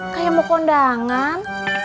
kayak mau kondangan